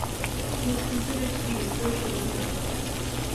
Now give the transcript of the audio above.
He is considered to be the spiritual leader of the group.